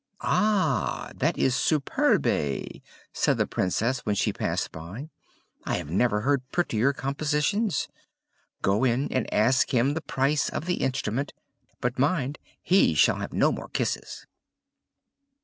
"Ah, that is superbe!" said the Princess when she passed by. "I have never heard prettier compositions! Go in and ask him the price of the instrument; but mind, he shall have no more kisses!"